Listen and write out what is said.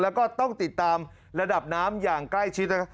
แล้วก็ต้องติดตามระดับน้ำอย่างใกล้ชิด